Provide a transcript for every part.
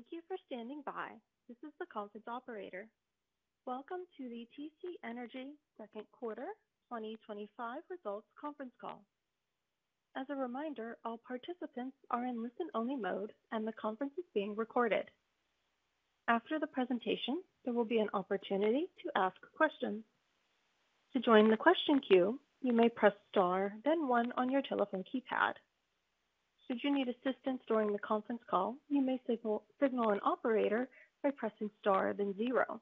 Thank you for standing by. This is the conference operator. Welcome to the TC Energy second quarter 2025 results conference call. As a reminder, all participants are in listen-only mode, and the conference is being recorded. After the presentation, there will be an opportunity to ask questions. To join the question queue, you may press star, then one, on your telephone keypad. Should you need assistance during the conference call, you may signal an operator by pressing star, then zero.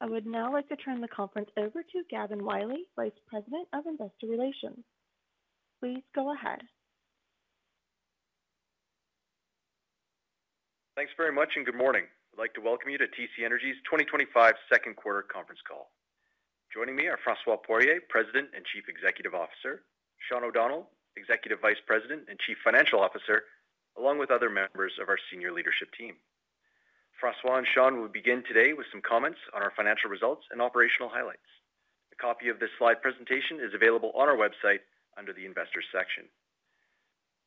I would now like to turn the conference over to Gavin Wylie, Vice President of Investor Relations. Please go ahead. Thanks very much and good morning. I'd like to welcome you to TC Energy's 2025 second quarter conference call. Joining me are Francois Poirier, President and Chief Executive Officer, Sean O'Donnell, Executive Vice President and Chief Financial Officer, along with other members of our senior leadership team. Francois and Sean will begin today with some comments on our financial results and operational highlights. A copy of this slide presentation is available on our website under the Investors section.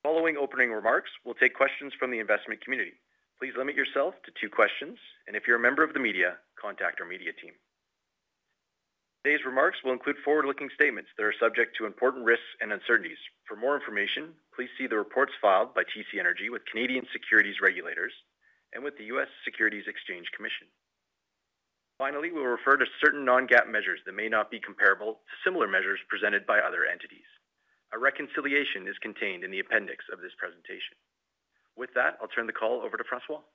Following opening remarks, we'll take questions from the investment community. Please limit yourself to two questions, and if you're a member of the media, contact our media team. Today's remarks will include forward-looking statements that are subject to important risks and uncertainties. For more information, please see the reports filed by TC Energy with Canadian securities regulators and with the U.S. Securities Exchange Commission. Finally, we'll refer to certain non-GAAP measures that may not be comparable to similar measures presented by other entities. A reconciliation is contained in the appendix of this presentation. With that, I'll turn the call over to Francois.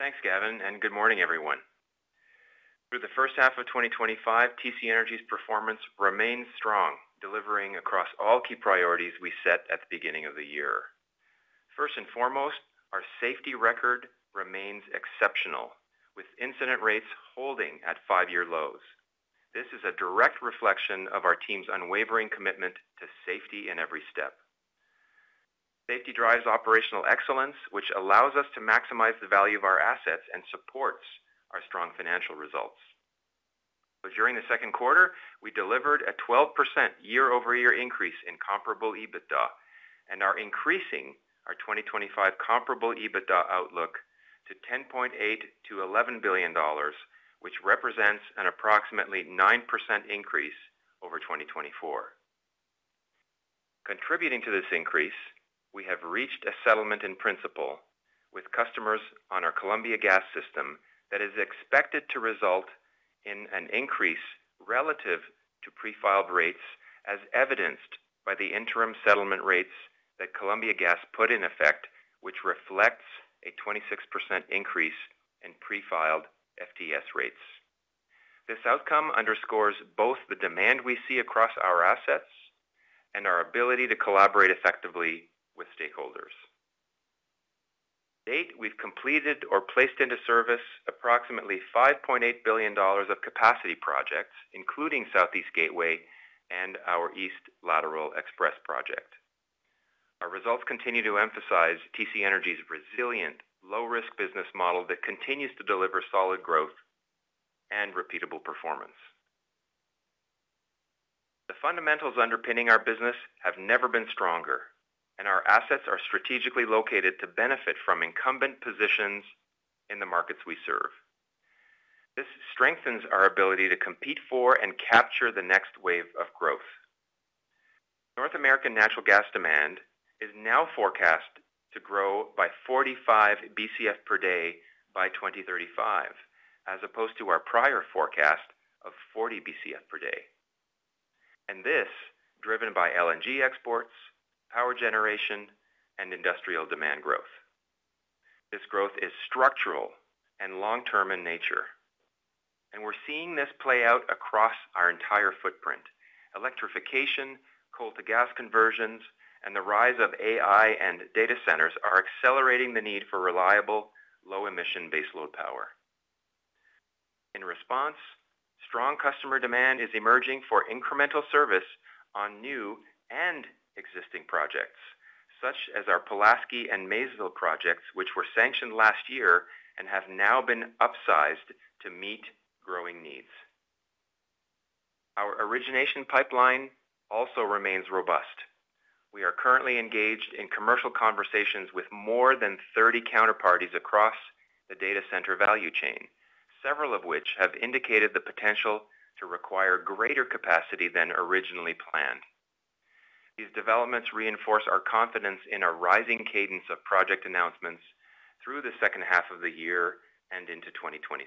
Thanks, Gavin, and good morning, everyone. Through the first half of 2025, TC Energy's performance remains strong, delivering across all key priorities we set at the beginning of the year. First and foremost, our safety record remains exceptional, with incident rates holding at five-year lows. This is a direct reflection of our team's unwavering commitment to safety in every step. Safety drives operational excellence, which allows us to maximize the value of our assets and supports our strong financial results. During the second quarter, we delivered a 12% year-over-year increase in comparable EBITDA, and are increasing our 2025 comparable EBITDA outlook to 10.8 to 11 billion dollars, which represents an approximately 9% increase over 2024. Contributing to this increase, we have reached a settlement in principle with customers on our Columbia Gas system that is expected to result in an increase relative to pre-filed rates, as evidenced by the interim settlement rates that Columbia Gas put in effect, which reflects a 26% increase in pre-filed FTS rates. This outcome underscores both the demand we see across our assets and our ability to collaborate effectively with stakeholders. To date, we've completed or placed into service approximately 5.8 billion dollars of capacity projects, including Southeast Gateway and our East Lateral XPress Project. Our results continue to emphasize TC Energy's resilient, low-risk business model that continues to deliver solid growth and repeatable performance. The fundamentals underpinning our business have never been stronger, and our assets are strategically located to benefit from incumbent positions in the markets we serve. This strengthens our ability to compete for and capture the next wave of growth. North American natural gas demand is now forecast to grow by 45 BCF per day by 2035, as opposed to our prior forecast of 40 BCF per day. This is driven by LNG exports, power generation, and industrial demand growth. This growth is structural and long-term in nature, and we're seeing this play out across our entire footprint. Electrification, coal-to-gas conversions, and the rise of AI and data centers are accelerating the need for reliable, low-emission baseload power. In response, strong customer demand is emerging for incremental service on new and existing projects, such as our Pulaski and Maysville projects, which were sanctioned last year and have now been upsized to meet growing needs. Our origination pipeline also remains robust. We are currently engaged in commercial conversations with more than 30 counterparties across the data center value chain, several of which have indicated the potential to require greater capacity than originally planned. These developments reinforce our confidence in a rising cadence of project announcements through the second half of the year and into 2026.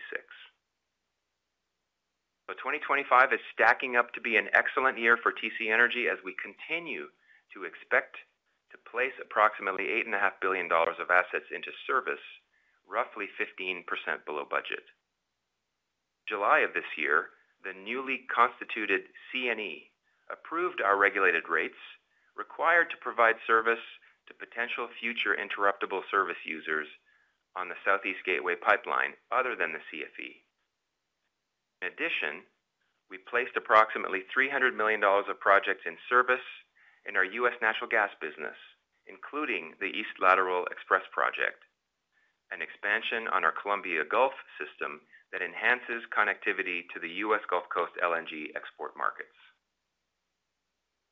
2025 is stacking up to be an excellent year for TC Energy as we continue to expect to place approximately 8.5 billion dollars of assets into service, roughly 15% below budget. In July of this year, the newly constituted CNE approved our regulated rates required to provide service to potential future interruptible service users on the Southeast Gateway pipeline other than the CFE. In addition, we placed approximately 300 million dollars of projects in service in our U.S. natural gas business, including the East Lateral XPress Project, an expansion on our Columbia Gulf system that enhances connectivity to the U.S. Gulf Coast LNG export markets.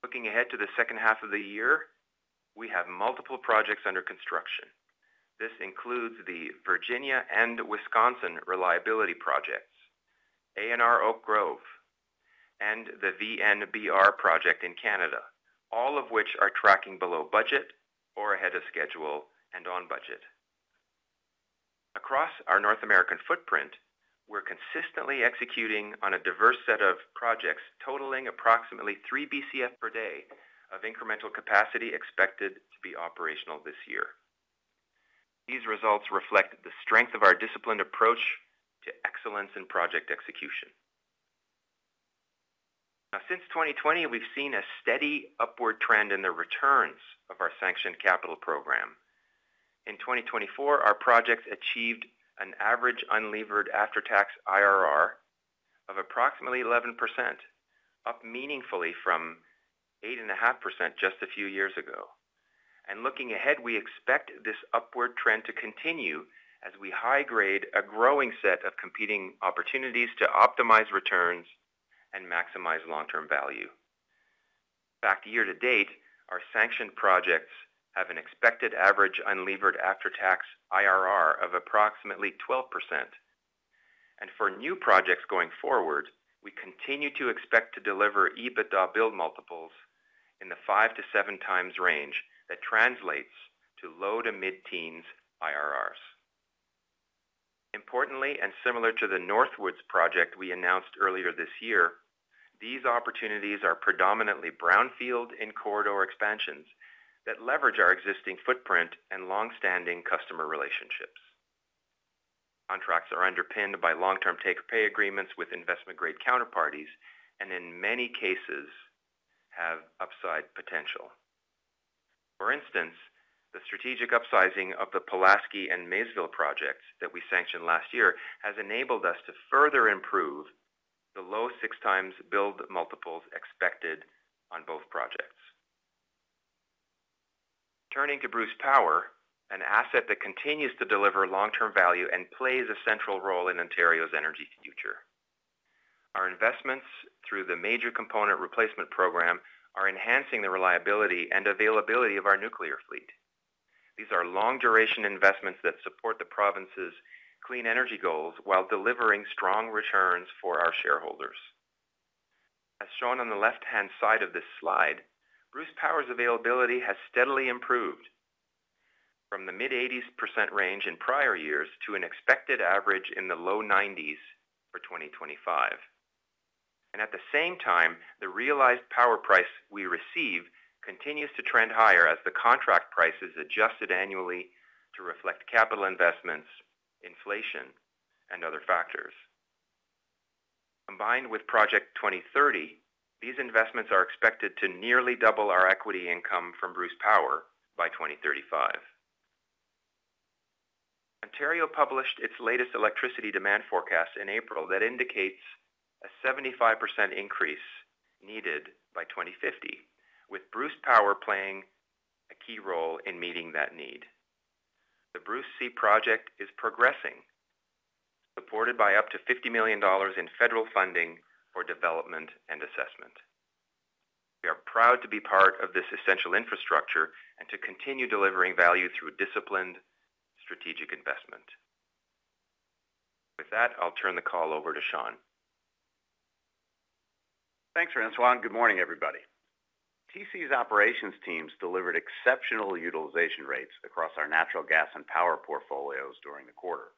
Looking ahead to the second half of the year, we have multiple projects under construction. This includes the Virginia and Wisconsin reliability projects, ANR Oak Grove, and the VNBR project in Canada, all of which are tracking below budget or ahead of schedule and on budget. Across our North American footprint, we're consistently executing on a diverse set of projects totaling approximately 3 BCF per day of incremental capacity expected to be operational this year. These results reflect the strength of our disciplined approach to excellence in project execution. Since 2020, we've seen a steady upward trend in the returns of our sanctioned capital program. In 2024, our projects achieved an average unlevered after-tax IRR of approximately 11%, up meaningfully from 8.5% just a few years ago. Looking ahead, we expect this upward trend to continue as we high-grade a growing set of competing opportunities to optimize returns and maximize long-term value. Back to year-to-date, our sanctioned projects have an expected average unlevered after-tax IRR of approximately 12%. For new projects going forward, we continue to expect to deliver EBITDA build multiples in the five to seven times range that translates to low to mid-teens IRRs. Importantly, and similar to the Northwoods project we announced earlier this year, these opportunities are predominantly brownfield in-corridor expansions that leverage our existing footprint and long-standing customer relationships. Contracts are underpinned by long-term take-or-pay agreements with investment-grade counterparties and, in many cases, have upside potential. For instance, the strategic upsizing of the Pulaski and Maysville projects that we sanctioned last year has enabled us to further improve the low six-times build multiples expected on both projects. Turning to Bruce Power, an asset that continues to deliver long-term value and plays a central role in Ontario's energy future. Our investments through the Major Component Replacement Program are enhancing the reliability and availability of our nuclear fleet. These are long-duration investments that support the province's clean energy goals while delivering strong returns for our shareholders. As shown on the left-hand side of this slide, Bruce Power's availability has steadily improved from the mid-80s percent range in prior years to an expected average in the low-90s for 2025. At the same time, the realized power price we receive continues to trend higher as the contract prices adjust annually to reflect capital investments, inflation, and other factors. Combined with Project 2030, these investments are expected to nearly double our equity income from Bruce Power by 2035. Ontario published its latest electricity demand forecast in April that indicates a 75% increase needed by 2050, with Bruce Power playing a key role in meeting that need. The Bruce C project is progressing, supported by up to 50 million dollars in federal funding for development and assessment. We are proud to be part of this essential infrastructure and to continue delivering value through disciplined strategic investment. With that, I'll turn the call over to Sean. Thanks, Francois. Good morning, everybody. TC Energy's operations teams delivered exceptional utilization rates across our natural gas and power portfolios during the quarter,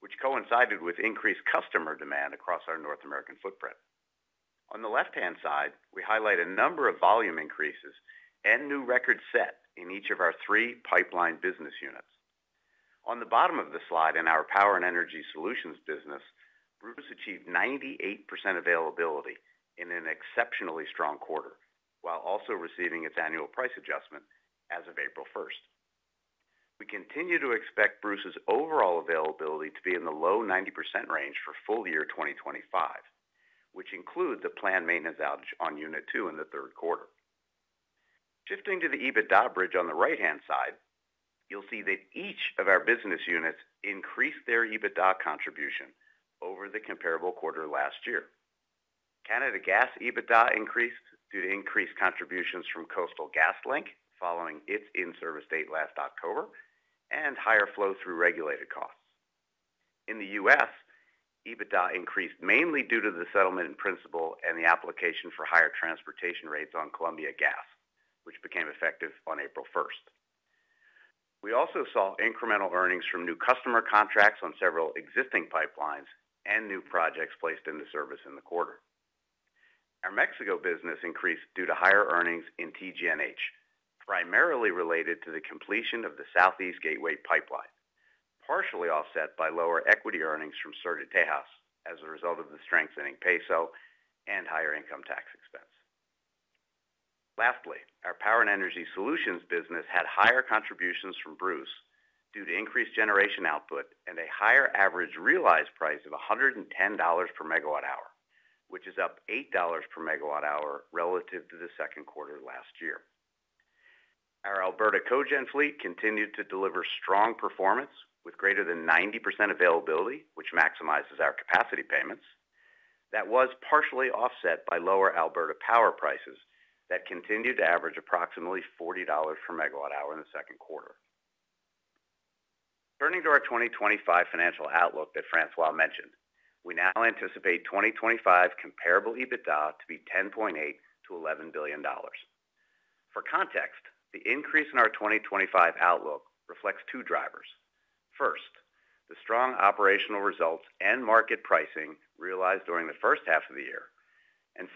which coincided with increased customer demand across our North American footprint. On the left-hand side, we highlight a number of volume increases and new records set in each of our three pipeline business units. On the bottom of the slide, in our power and energy solutions business, Bruce achieved 98% availability in an exceptionally strong quarter while also receiving its annual price adjustment as of April 1. We continue to expect Bruce's overall availability to be in the low-90% range for full year 2025, which includes the planned maintenance outage on unit two in the third quarter. Shifting to the EBITDA bridge on the right-hand side, you'll see that each of our business units increased their EBITDA contribution over the comparable quarter last year. Canada Gas EBITDA increased due to increased contributions from Coastal GasLink following its in-service date last October and higher flow-through regulated costs. In the U.S., EBITDA increased mainly due to the settlement in principle and the application for higher transportation rates on Columbia Gas, which became effective on April 1. We also saw incremental earnings from new customer contracts on several existing pipelines and new projects placed into service in the quarter. Our Mexico business increased due to higher earnings in TGNH, primarily related to the completion of the Southeast Gateway pipeline, partially offset by lower equity earnings from Sur de Texas as a result of the strengthening peso and higher income tax expense. Lastly, our power and energy solutions business had higher contributions from Bruce due to increased generation output and a higher average realized price of 110 dollars per megawatt hour, which is up 8 dollars per megawatt hour relative to the second quarter last year. Our Alberta Cogen fleet continued to deliver strong performance with greater than 90% availability, which maximizes our capacity payments. That was partially offset by lower Alberta power prices that continued to average approximately 40 dollars per megawatt hour in the second quarter. Turning to our 2025 financial outlook that Francois mentioned, we now anticipate 2025 comparable EBITDA to be CAD 10.8 billion to CAD 11 billion. For context, the increase in our 2025 outlook reflects two drivers. First, the strong operational results and market pricing realized during the first half of the year.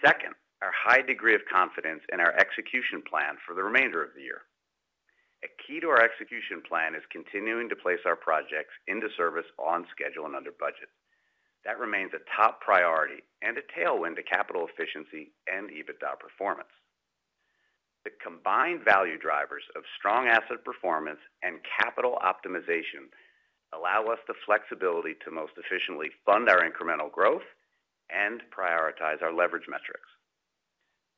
Second, our high degree of confidence in our execution plan for the remainder of the year. A key to our execution plan is continuing to place our projects into service on schedule and under budget. That remains a top priority and a tailwind to capital efficiency and EBITDA performance. The combined value drivers of strong asset performance and capital optimization allow us the flexibility to most efficiently fund our incremental growth and prioritize our leverage metrics.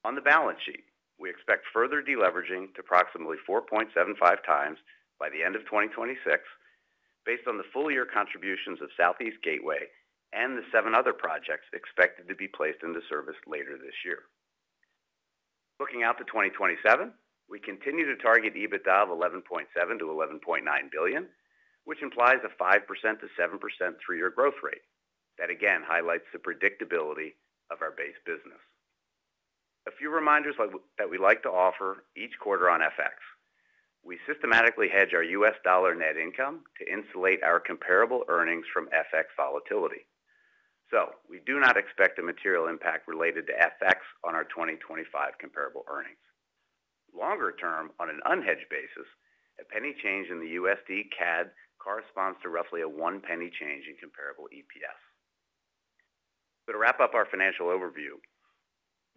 On the balance sheet, we expect further deleveraging to approximately 4.75 times by the end of 2026, based on the full year contributions of Southeast Gateway and the seven other projects expected to be placed into service later this year. Looking out to 2027, we continue to target EBITDA of 11.7 billion to 11.9 billion, which implies a 5% to 7% three-year growth rate. That again highlights the predictability of our base business. A few reminders that we like to offer each quarter on FX. We systematically hedge our U.S. dollar net income to insulate our comparable earnings from FX volatility. We do not expect a material impact related to FX on our 2025 comparable earnings. Longer term, on an unhedged basis, a penny change in the USD/CAD corresponds to roughly a one penny change in comparable EPS. To wrap up our financial overview,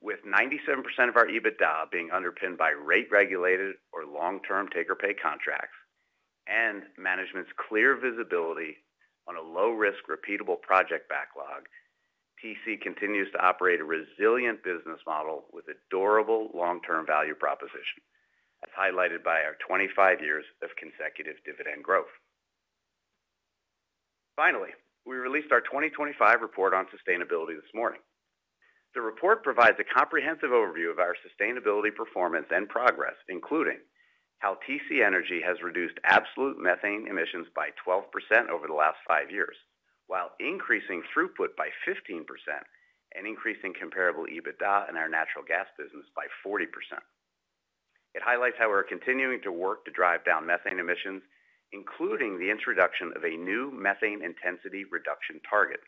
with 97% of our EBITDA being underpinned by rate-regulated or long-term take-or-pay contracts and management's clear visibility on a low-risk repeatable project backlog, TC Energy continues to operate a resilient business model with a durable long-term value proposition, as highlighted by our 25 years of consecutive dividend growth. Finally, we released our 2025 report on sustainability this morning. The report provides a comprehensive overview of our sustainability performance and progress, including how TC Energy has reduced absolute methane emissions by 12% over the last five years, while increasing throughput by 15% and increasing comparable EBITDA in our natural gas business by 40%. It highlights how we're continuing to work to drive down methane emissions, including the introduction of a new methane intensity reduction target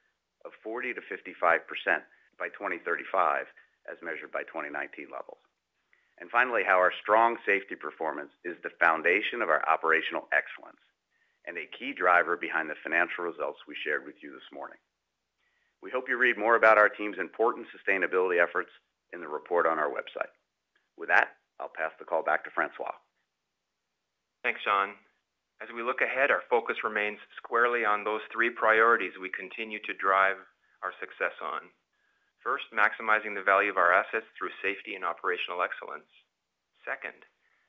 of 40% to 55% by 2035, as measured by 2019 levels. Finally, our strong safety performance is the foundation of our operational excellence and a key driver behind the financial results we shared with you this morning. We hope you read more about our team's important sustainability efforts in the report on our website. With that, I'll pass the call back to Francois. Thanks, Sean. As we look ahead, our focus remains squarely on those three priorities we continue to drive our success on. First, maximizing the value of our assets through safety and operational excellence. Second,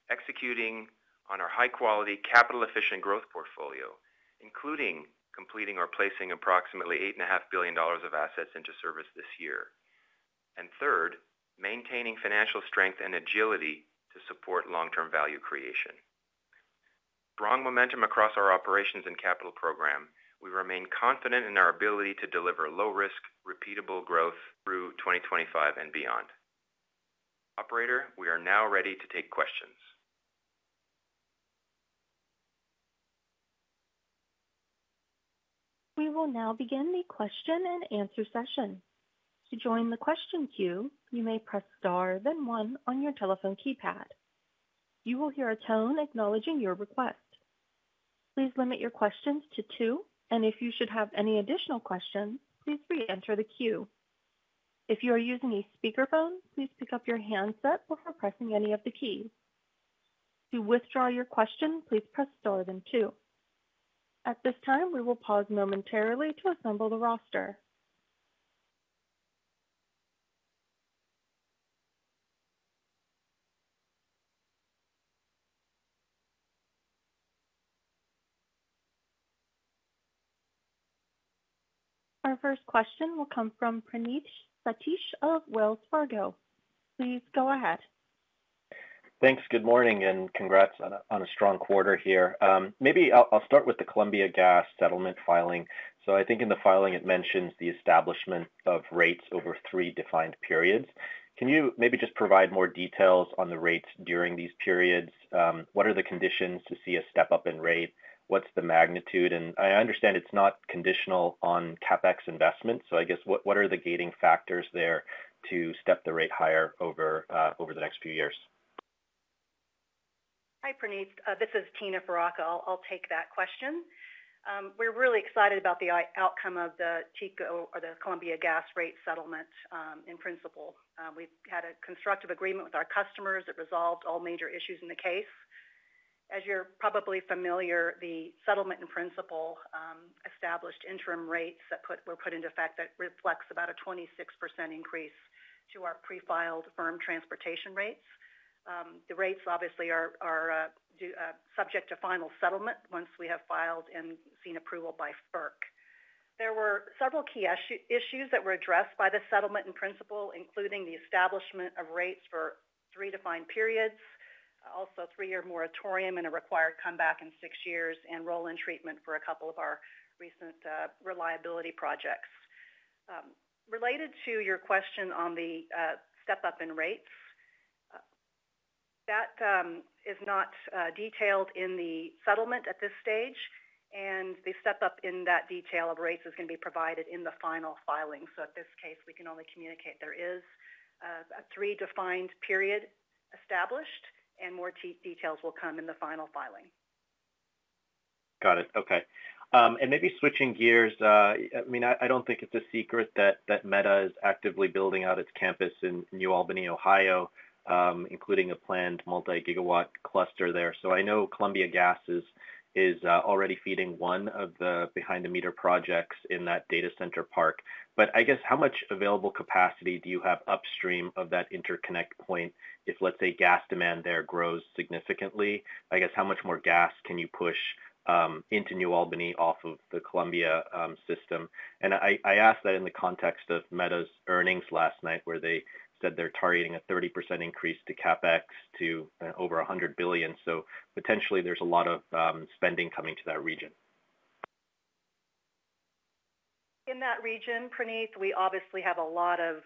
executing on our high-quality, capital-efficient growth portfolio, including completing or placing approximately 8.5 billion dollars of assets into service this year. Third, maintaining financial strength and agility to support long-term value creation. With strong momentum across our operations and capital program, we remain confident in our ability to deliver low-risk, repeatable growth through 2025 and beyond. Operator, we are now ready to take questions. We will now begin the question and answer session. To join the question queue, you may press star then one on your telephone keypad. You will hear a tone acknowledging your request. Please limit your questions to two, and if you should have any additional questions, please re-enter the queue. If you are using a speakerphone, please pick up your handset before pressing any of the keys. To withdraw your question, please press star then two. At this time, we will pause momentarily to assemble the roster. Our first question will come from Praneeth Satish of Wells Fargo. Please go ahead. Thanks. Good morning and congrats on a strong quarter here. Maybe I'll start with the Columbia Gas settlement filing. I think in the filing, it mentions the establishment of rates over three defined periods. Can you maybe just provide more details on the rates during these periods? What are the conditions to see a step up in rate? What's the magnitude? I understand it's not conditional on CapEx investment. I guess what are the gating factors there to step the rate higher over the next few years? Hi, Praneeth. This is Tina Faraca. I'll take that question. We're really excited about the outcome of the Columbia Gas rate settlement in principle. We've had a constructive agreement with our customers. It resolved all major issues in the case. As you're probably familiar, the settlement in principle established interim rates that were put into effect that reflects about a 26% increase to our pre-filed firm transportation rates. The rates obviously are subject to final settlement once we have filed and seen approval by FERC. There were several key issues that were addressed by the settlement in principle, including the establishment of rates for three defined periods, also three-year moratorium and a required come back in six years, and roll-in treatment for a couple of our recent reliability projects. Related to your question on the step up in rates, that is not detailed in the settlement at this stage. The step up in that detail of rates is going to be provided in the final filing. At this case, we can only communicate there is a three-defined period established, and more details will come in the final filing. Got it. Okay. Maybe switching gears, I mean, I don't think it's a secret that Meta is actively building out its campus in New Albany, Ohio, including a planned multi-gigawatt cluster there. I know Columbia Gas is already feeding one of the behind-the-meter projects in that data center park. I guess how much available capacity do you have upstream of that interconnect point if, let's say, gas demand there grows significantly? I guess how much more gas can you push into New Albany off of the Columbia system? I ask that in the context of Meta's earnings last night, where they said they're targeting a 30% increase to CapEx to over $100 billion. Potentially, there's a lot of spending coming to that region. In that region, Praneeth, we obviously have a lot of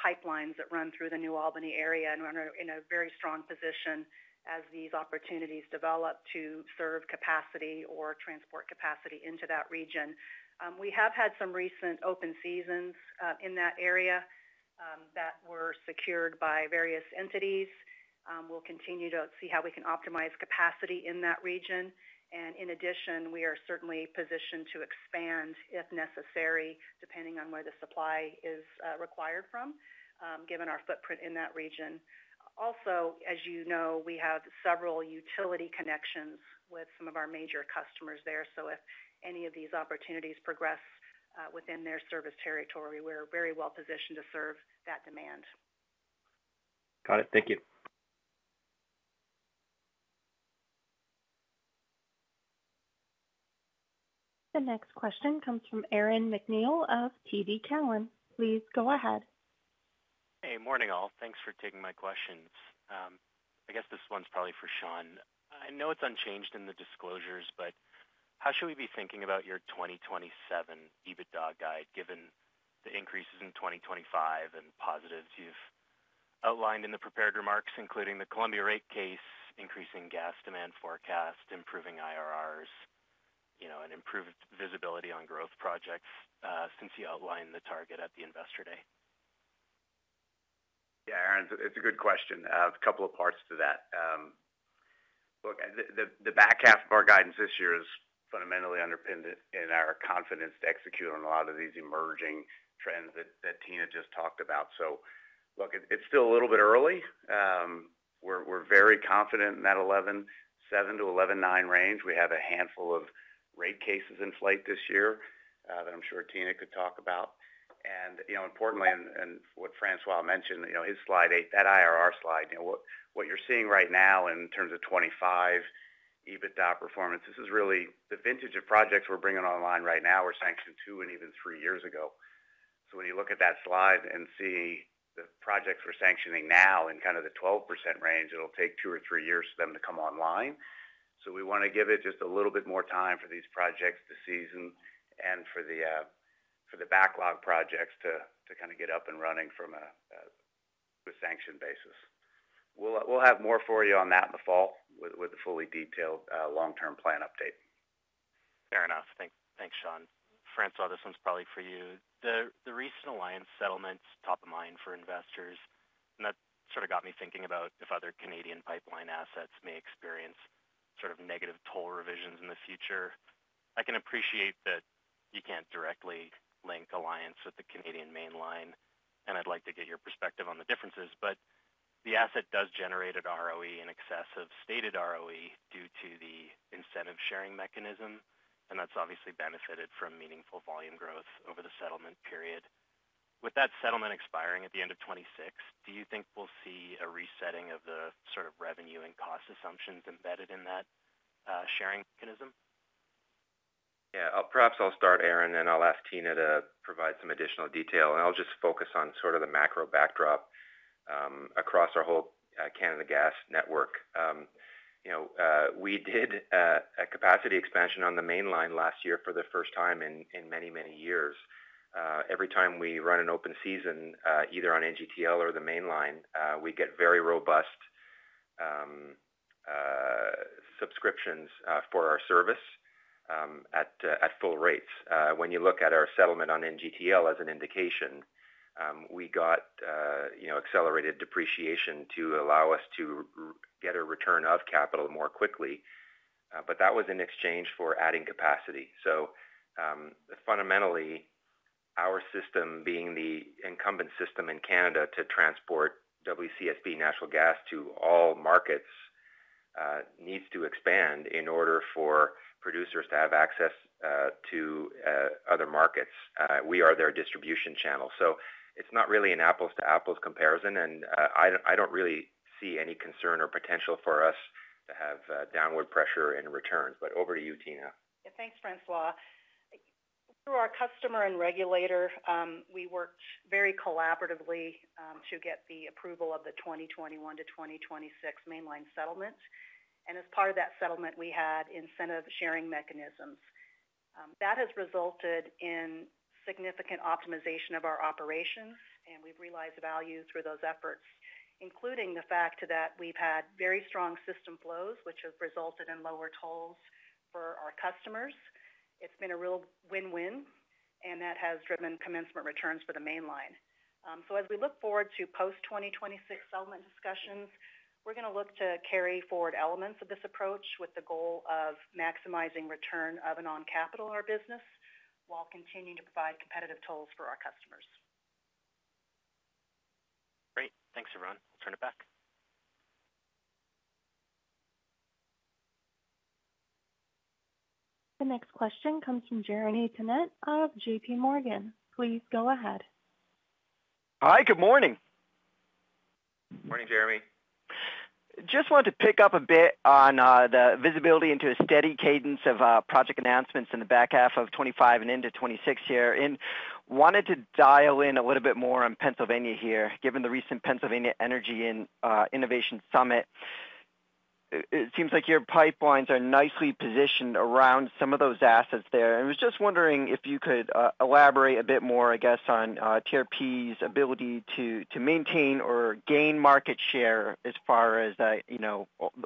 pipelines that run through the New Albany area and are in a very strong position as these opportunities develop to serve capacity or transport capacity into that region. We have had some recent open seasons in that area that were secured by various entities. We'll continue to see how we can optimize capacity in that region. In addition, we are certainly positioned to expand if necessary, depending on where the supply is required from, given our footprint in that region. Also, as you know, we have several utility connections with some of our major customers there. If any of these opportunities progress within their service territory, we're very well positioned to serve that demand. Got it. Thank you. The next question comes from Aaron MacNeil of TD Cowen. Please go ahead. Hey, morning all. Thanks for taking my questions. I guess this one's probably for Sean. I know it's unchanged in the disclosures, but how should we be thinking about your 2027 EBITDA guide, given the increases in 2025 and positives you've outlined in the prepared remarks, including the Columbia rate case, increasing gas demand forecast, improving IRRs, and improved visibility on growth projects since you outlined the target at the investor day? Yeah, Aaron, it's a good question. I have a couple of parts to that. Look, the back half of our guidance this year is fundamentally underpinned in our confidence to execute on a lot of these emerging trends that Tina just talked about. It's still a little bit early. We're very confident in that 11.7%-11.9% range. We have a handful of rate cases in flight this year that I'm sure Tina could talk about. Importantly, and what Francois mentioned, his slide eight, that IRR slide, what you're seeing right now in terms of 2025 EBITDA performance, this is really the vintage of projects we're bringing online right now. We're sanctioned two and even three years ago. When you look at that slide and see the projects we're sanctioning now in kind of the 12% range, it'll take two or three years for them to come online. We want to give it just a little bit more time for these projects to season and for the backlog projects to kind of get up and running from a sanctioned basis. We'll have more for you on that in the fall with a fully detailed long-term plan update. Fair enough. Thanks, Sean. Francois, this one's probably for you. The recent Alliance settlements are top of mind for investors. That got me thinking about if other Canadian pipeline assets may experience negative toll revisions in the future. I can appreciate that you can't directly link Alliance with the Canadian Mainline, and I'd like to get your perspective on the differences. The asset does generate an ROE in excess of stated ROE due to the incentive sharing mechanism. That's obviously benefited from meaningful volume growth over the settlement period. With that settlement expiring at the end of 2026, do you think we'll see a resetting of the revenue and cost assumptions embedded in that sharing mechanism? Yeah. Perhaps I'll start, Aaron, and I'll ask Tina to provide some additional detail. I'll just focus on sort of the macro backdrop, across our whole Canada Gas network, we did a capacity expansion on the mainline last year for the first time in many, many years. Every time we run an open season, either on NGTL or the mainline, we get very robust subscriptions for our service at full rates. When you look at our settlement on NGTL as an indication, we got accelerated depreciation to allow us to get a return of capital more quickly. That was in exchange for adding capacity. Fundamentally, our system, being the incumbent system in Canada to transport WCSB natural gas to all markets, needs to expand in order for producers to have access to other markets. We are their distribution channel. It's not really an apples-to-apples comparison. I don't really see any concern or potential for us to have downward pressure in returns. Over to you, Tina. Yeah. Thanks, Francois. Through our customer and regulator, we worked very collaboratively to get the approval of the 2021 to 2026 Mainline settlement. As part of that settlement, we had incentive sharing mechanisms. That has resulted in significant optimization of our operations. We've realized value through those efforts, including the fact that we've had very strong system flows, which have resulted in lower tolls for our customers. It's been a real win-win, and that has driven commencement returns for the Mainline. As we look forward to post-2026 settlement discussions, we're going to look to carry forward elements of this approach with the goal of maximizing return of a non-capital in our business while continuing to provide competitive tolls for our customers. Great. Thanks, everyone. I'll turn it back. The next question comes from Jeremy Tonet of JP Morgan. Please go ahead. Hi, good morning. Morning, Jeremy. Just wanted to pick up a bit on the visibility into a steady cadence of project announcements in the back half of 2025 and into 2026 here. I wanted to dial in a little bit more on Pennsylvania here, given the recent Pennsylvania Energy and Innovation Summit. It seems like your pipelines are nicely positioned around some of those assets there. I was just wondering if you could elaborate a bit more, I guess, on TC Energy's ability to maintain or gain market share as far as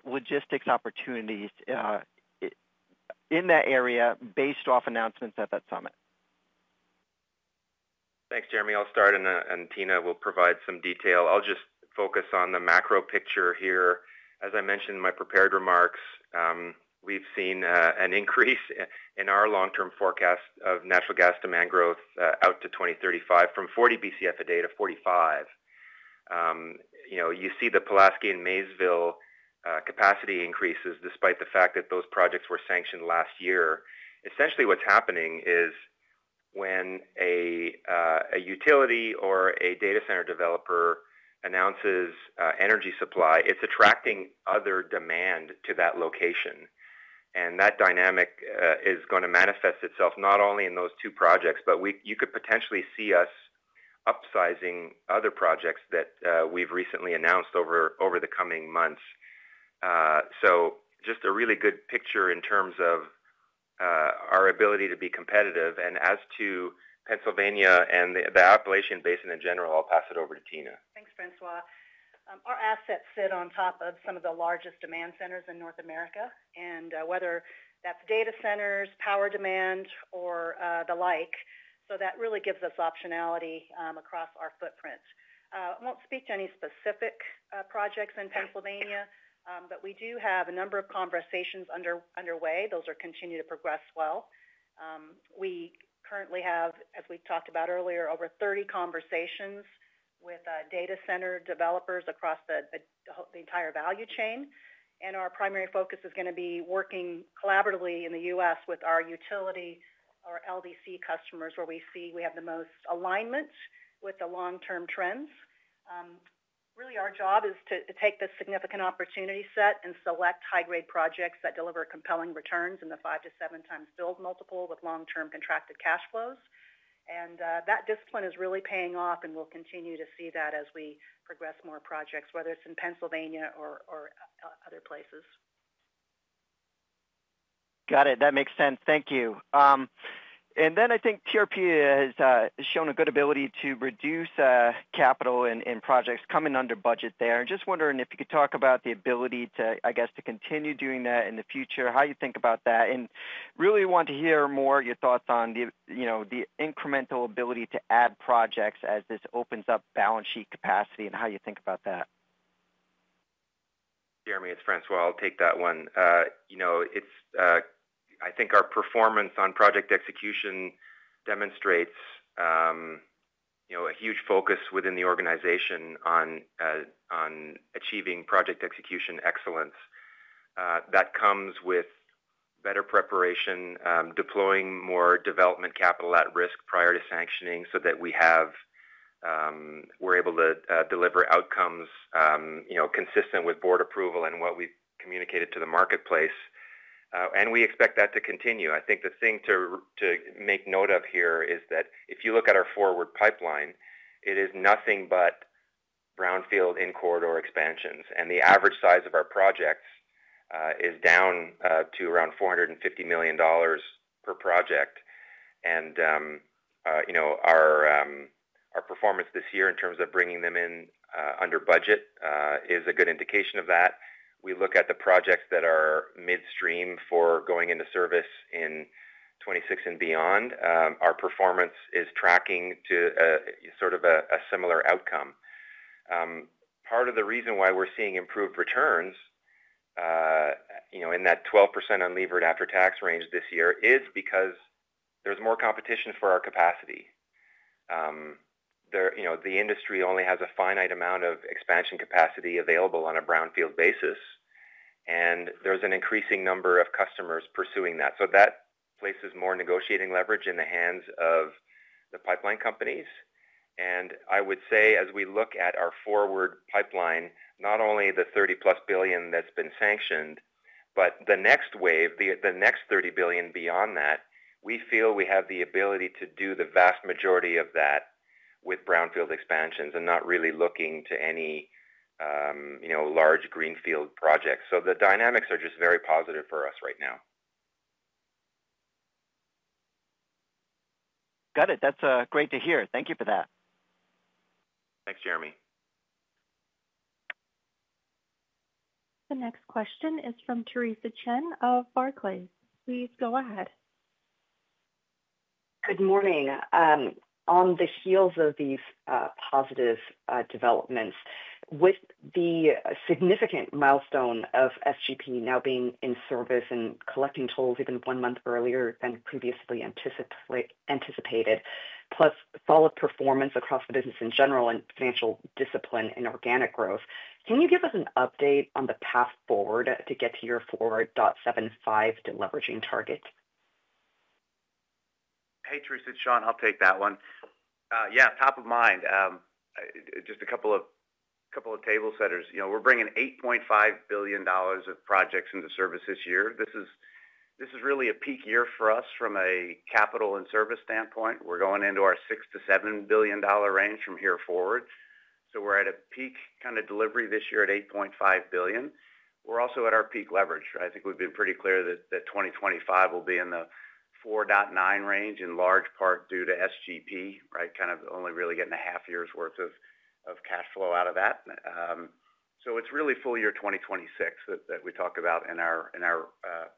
logistics opportunities in that area based off announcements at that summit. Thanks, Jeremy. I'll start, and Tina will provide some detail. I'll just focus on the macro picture here. As I mentioned in my prepared remarks, we've seen an increase in our long-term forecast of natural gas demand growth out to 2035 from 40 BCF a day to 45. You see the Pulaski and Maysville capacity increases despite the fact that those projects were sanctioned last year. Essentially, what's happening is when a utility or a data center developer announces energy supply, it's attracting other demand to that location. That dynamic is going to manifest itself not only in those two projects, but you could potentially see us upsizing other projects that we've recently announced over the coming months. Just a really good picture in terms of our ability to be competitive. As to Pennsylvania and the Appalachian Basin in general, I'll pass it over to Tina. Thanks, Francois. Our assets sit on top of some of the largest demand centers in North America, whether that's data centers, power demand, or the like. That really gives us optionality across our footprint. I won't speak to any specific projects in Pennsylvania, but we do have a number of conversations underway. Those are continuing to progress well. We currently have, as we talked about earlier, over 30 conversations with data center developers across the entire value chain. Our primary focus is going to be working collaboratively in the U.S. with our utility or LDC customers where we see we have the most alignment with the long-term trends. Really, our job is to take this significant opportunity set and select high-grade projects that deliver compelling returns in the five to seven times build multiple with long-term contracted cash flows. That discipline is really paying off, and we'll continue to see that as we progress more projects, whether it's in Pennsylvania or other places. Got it. That makes sense. Thank you. I think TRP has shown a good ability to reduce capital in projects coming under budget there. I'm just wondering if you could talk about the ability to continue doing that in the future, how you think about that. I really want to hear more of your thoughts on the incremental ability to add projects as this opens up balance sheet capacity and how you think about that. Jeremy, it's Francois. I'll take that one. I think our performance on project execution demonstrates a huge focus within the organization on achieving project execution excellence. That comes with better preparation, deploying more development capital at risk prior to sanctioning so that we have, we're able to deliver outcomes consistent with board approval and what we've communicated to the marketplace. We expect that to continue. I think the thing to make note of here is that if you look at our forward pipeline, it is nothing but brownfield in-corridor expansions, and the average size of our projects is down to around 450 million dollars per project. Our performance this year in terms of bringing them in under budget is a good indication of that. We look at the projects that are midstream for going into service in 2026 and beyond. Our performance is tracking to sort of a similar outcome. Part of the reason why we're seeing improved returns in that 12% unlevered after-tax range this year is because there's more competition for our capacity. The industry only has a finite amount of expansion capacity available on a brownfield basis, and there's an increasing number of customers pursuing that. That places more negotiating leverage in the hands of the pipeline companies. As we look at our forward pipeline, not only the 30+ billion that's been sanctioned, but the next wave, the next 30 billion beyond that, we feel we have the ability to do the vast majority of that with brownfield expansions and not really looking to any large greenfield projects. The dynamics are just very positive for us right now. Got it. That's great to hear. Thank you for that. Thanks, Jeremy. The next question is from Theresa Chen of Barclays. Please go ahead. Good morning. On the heels of these positive developments, with the significant milestone of Southeast Gateway now being in service and collecting tolls even one month earlier than previously anticipated, plus solid performance across the business in general and financial discipline and organic growth, can you give us an update on the path forward to get to your 4.75% deleveraging target? Hey, Theresa, it's Sean. I'll take that one. Yeah, top of mind. Just a couple of table setters. We're bringing 8.5 billion dollars of projects into service this year. This is really a peak year for us from a capital and service standpoint. We're going into our 6 billion to 7 billion dollar range from here forward. We're at a peak kind of delivery this year at 8.5 billion. We're also at our peak leverage. I think we've been pretty clear that 2025 will be in the 4.9 range in large part due to Southeast Gateway Pipeline, right? Kind of only really getting a half year's worth of cash flow out of that. It's really full year 2026 that we talk about in our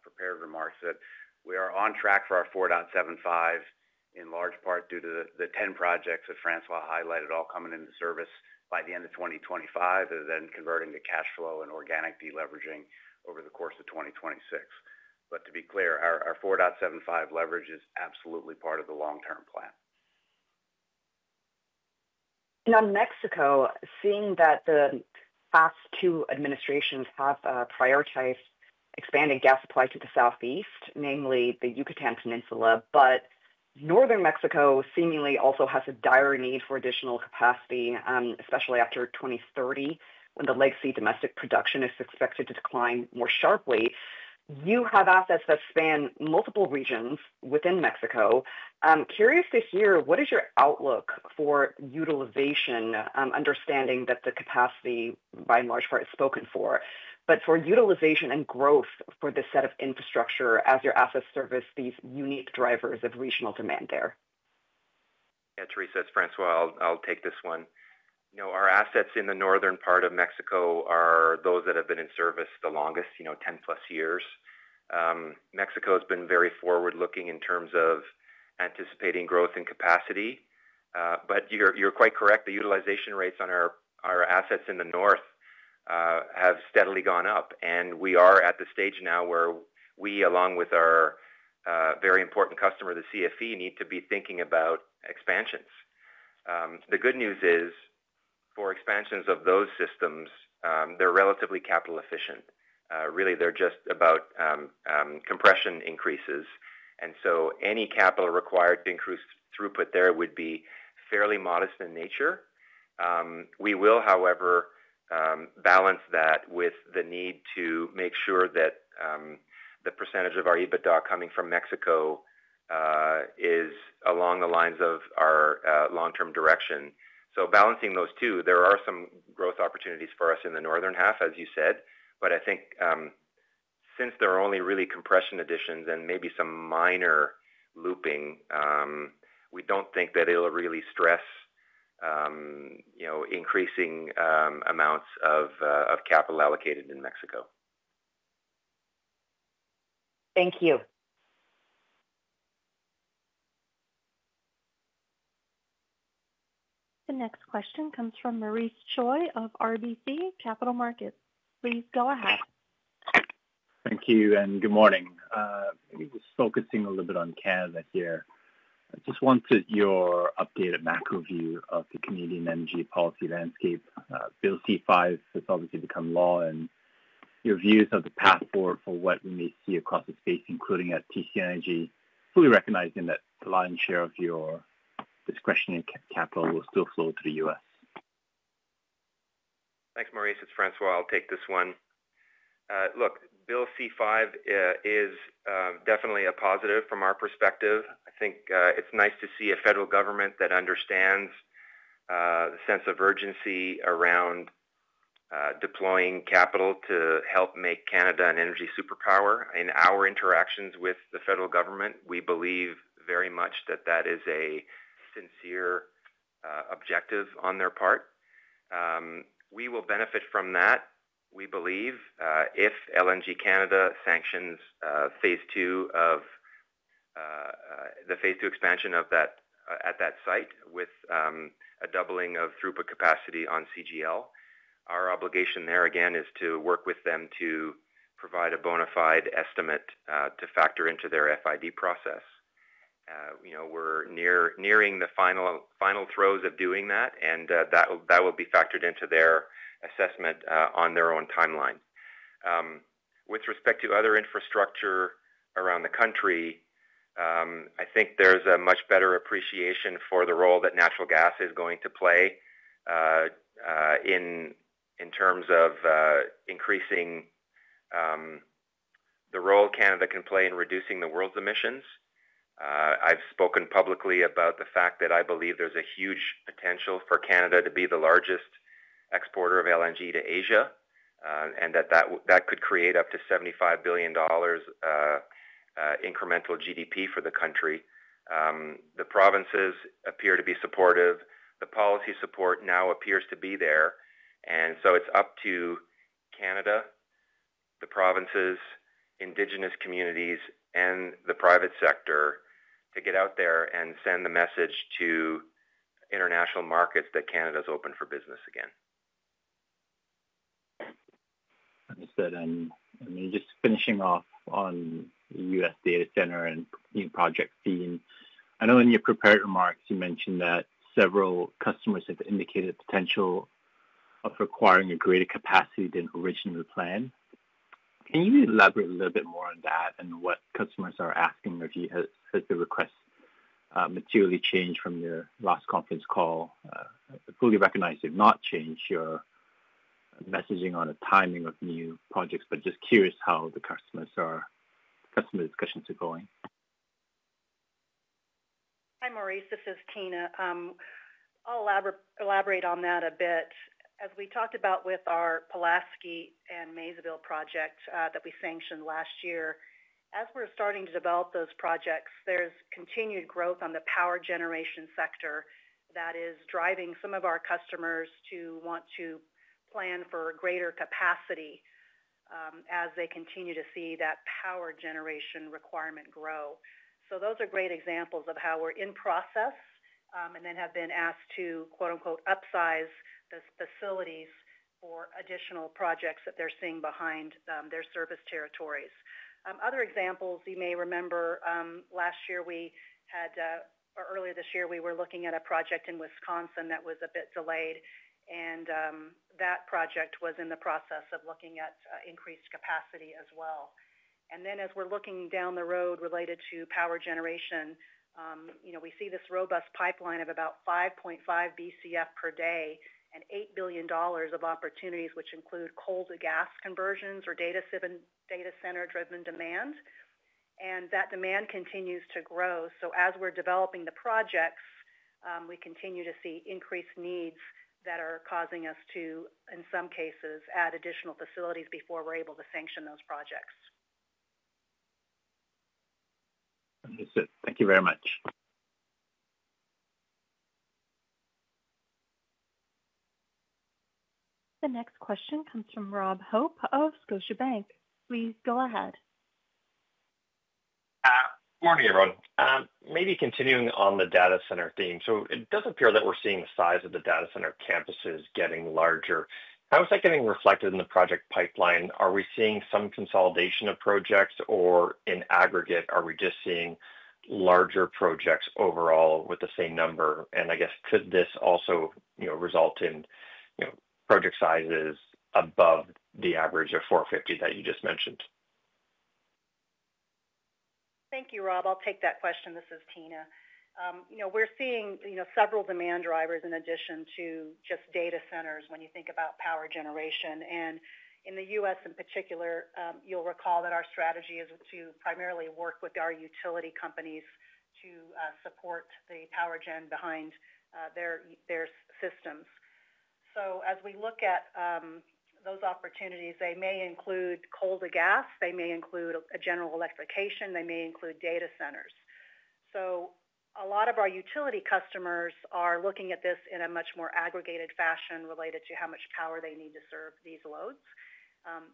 prepared remarks that we are on track for our 4.75 in large part due to the 10 projects that Francois highlighted all coming into service by the end of 2025, then converting to cash flow and organic deleveraging over the course of 2026. To be clear, our 4.75 leverage is absolutely part of the long-term plan. On Mexico, seeing that the past two administrations have prioritized expanding gas supply to the southeast, namely the Yucatan Peninsula, but northern Mexico seemingly also has a dire need for additional capacity, especially after 2030 when the legacy domestic production is expected to decline more sharply. You have assets that span multiple regions within Mexico. I'm curious to hear what is your outlook for utilization, understanding that the capacity by and large part is spoken for, but for utilization and growth for this set of infrastructure as your assets service these unique drivers of regional demand there? Yeah, Theresa, it's Francois. I'll take this one. Our assets in the northern part of Mexico are those that have been in service the longest, 10-plus years. Mexico has been very forward-looking in terms of anticipating growth and capacity. You're quite correct, the utilization rates on our assets in the north have steadily gone up. We are at the stage now where we, along with our very important customer, the CFE, need to be thinking about expansions. The good news is, for expansions of those systems, they're relatively capital-efficient. Really, they're just about compression increases, so any capital required to increase throughput there would be fairly modest in nature. We will, however, balance that with the need to make sure that the percentage of our EBITDA coming from Mexico is along the lines of our long-term direction. Balancing those two, there are some growth opportunities for us in the northern half, as you said. I think since they're only really compression additions and maybe some minor looping, we don't think that it'll really stress increasing amounts of capital allocated in Mexico. Thank you. The next question comes from Maurice Choy of RBC Capital Markets. Please go ahead. Thank you. Good morning. I'm just focusing a little bit on Canada here. I just wanted your updated macro view of the Canadian energy policy landscape. Bill C-5 has obviously become law, and your views of the path forward for what we may see across the space, including at TC Energy, fully recognizing that the lion's share of your discretionary capital will still flow to the U.S. Thanks, Maurice. It's Francois. I'll take this one. Look, Bill C-5 is definitely a positive from our perspective. I think it's nice to see a federal government that understands the sense of urgency around deploying capital to help make Canada an energy superpower. In our interactions with the federal government, we believe very much that that is a sincere objective on their part. We will benefit from that, we believe, if LNG Canada sanctions phase two of the phase two expansion at that site with a doubling of throughput capacity on CGL. Our obligation there, again, is to work with them to provide a bona fide estimate to factor into their FIB process. We're nearing the final throes of doing that, and that will be factored into their assessment on their own timeline. With respect to other infrastructure around the country, I think there's a much better appreciation for the role that natural gas is going to play in terms of increasing the role Canada can play in reducing the world's emissions. I've spoken publicly about the fact that I believe there's a huge potential for Canada to be the largest exporter of LNG to Asia, and that that could create up to 75 billion dollars incremental GDP for the country. The provinces appear to be supportive. The policy support now appears to be there. It's up to Canada, the provinces, indigenous communities, and the private sector to get out there and send the message to international markets that Canada is open for business again. Understood. Just finishing off on the U.S. data center and project theme, I know in your prepared remarks, you mentioned that several customers have indicated potential of requiring a greater capacity than originally planned. Can you elaborate a little bit more on that and what customers are asking? Have the requests materially changed from your last conference call? I fully recognize they've not changed your messaging on the timing of new projects, but just curious how the customer discussions are going. Hi, Maurice. This is Tina. I'll elaborate on that a bit. As we talked about with our Pulaski and Maysville project that we sanctioned last year, as we're starting to develop those projects, there's continued growth on the power generation sector that is driving some of our customers to want to plan for greater capacity as they continue to see that power generation requirement grow. Those are great examples of how we're in process and then have been asked to "upsize" the facilities for additional projects that they're seeing behind their service territories. Other examples, you may remember, last year we had, or earlier this year, we were looking at a project in Wisconsin that was a bit delayed. That project was in the process of looking at increased capacity as well. As we're looking down the road related to power generation, we see this robust pipeline of about 5.5 BCF per day and 8 billion dollars of opportunities, which include coal-to-gas conversions or data center-driven demand, and that demand continues to grow. As we're developing the projects, we continue to see increased needs that are causing us to, in some cases, add additional facilities before we're able to sanction those projects. Understood. Thank you very much. The next question comes from Rob Hope of Scotia Bank. Please go ahead. Good morning, everyone. Maybe continuing on the data center theme. It does appear that we're seeing the size of the data center campuses getting larger. How is that getting reflected in the project pipeline? Are we seeing some consolidation of projects, or in aggregate, are we just seeing larger projects overall with the same number? Could this also result in project sizes above the average of 450 that you just mentioned? Thank you, Rob. I'll take that question. This is Tina. We're seeing several demand drivers in addition to just data centers when you think about power generation. In the U.S., in particular, you'll recall that our strategy is to primarily work with our utility companies to support the power gen behind their systems. As we look at those opportunities, they may include coal-to-gas, they may include general electrification, they may include data centers. A lot of our utility customers are looking at this in a much more aggregated fashion related to how much power they need to serve these loads.